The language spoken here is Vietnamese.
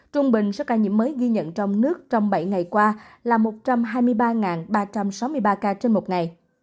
trung bình số ca nhiễm mới ghi nhận trong nước trong bảy ngày qua là một trăm hai mươi ba ba trăm sáu mươi ba ca trên một ngày